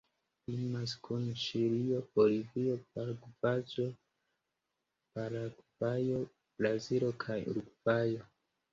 Limas kun Ĉilio, Bolivio, Paragvajo, Brazilo kaj Urugvajo.